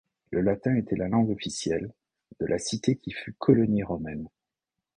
Le latin était la langue officielle de la cité qui fut colonie romaine.